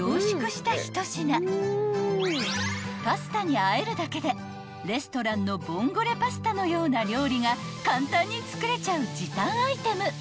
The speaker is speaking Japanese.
［パスタにあえるだけでレストランのボンゴレパスタのような料理が簡単に作れちゃう時短アイテム］